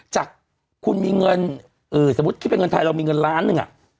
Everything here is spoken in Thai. จากคุณมีเงินสมมุติคิดเป็นเงินไทยเรามีเงินล้านหนึ่ง